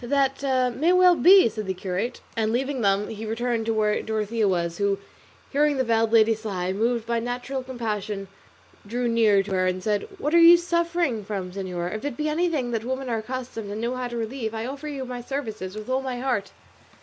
"That may well be," said the curate, and leaving them he returned to where Dorothea was, who, hearing the veiled lady sigh, moved by natural compassion drew near to her and said, "What are you suffering from, señora? If it be anything that women are accustomed and know how to relieve, I offer you my services with all my heart."